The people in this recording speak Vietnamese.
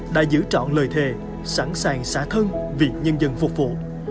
đã giữ trọn lời thề sẵn sàng xả thân vì nhân dân phục vụ